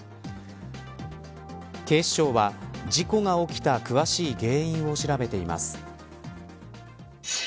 警視庁は事故が起きた詳しい原因を調べています。